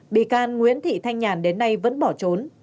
bị can nguyễn thị thanh nhàn đến nay vẫn bỏ trốn